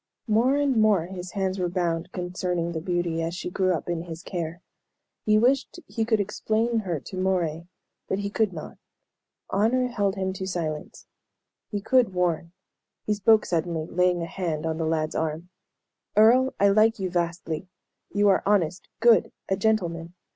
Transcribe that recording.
More and more his hands were bound concerning the beauty, as she grew up in his care. He wished he could explain her to Moray, but he could not. Honor held him to silence. He could warn. He spoke suddenly, laying a hand on the lad's arm. "Earle, I like you vastly. You are honest, good, a gentleman.